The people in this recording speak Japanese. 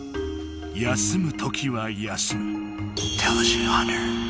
休む時は休む。